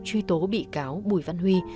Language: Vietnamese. chuy tố bị cáo bùi văn huy